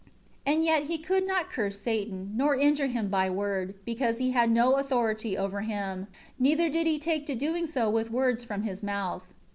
3 And yet he could not curse Satan, nor injure him by word, because he had no authority over him, neither did he take to doing so with words from his mouth.